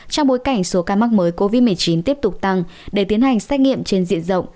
trong bối cảnh số ca mắc mới covid một mươi chín tiếp tục tăng để tiến hành xét nghiệm trên diện rộng